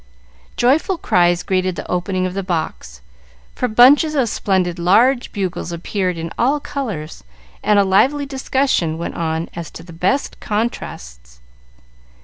Joyful cries greeted the opening of the box, for bunches of splendid large bugles appeared in all colors, and a lively discussion went on as to the best contrasts.